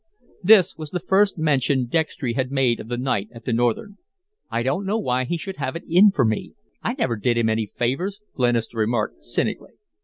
This was the first mention Dextry had made of the night at the Northern. "I don't know why he should have it in for me I never did him any favors," Glenister remarked, cynically.